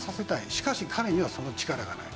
しかし彼にはその力がない。